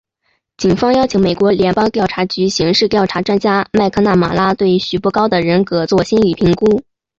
警方邀请美国联邦调查局刑事调查专家麦克纳马拉对徐步高的人格作心理评估。